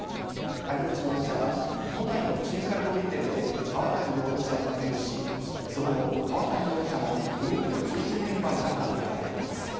谷口容疑者らは都内の中華料理店で川谷容疑者を勧誘し、その後、川谷容疑者もグループの中心メンバーとなったとみられています。